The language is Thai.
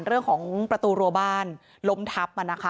เรื่องของประตูรัวบ้านล้มทับมานะคะ